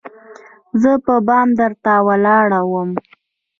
زه په بام درته ولاړه وم